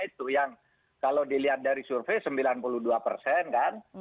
itu yang kalau dilihat dari survei sembilan puluh dua persen kan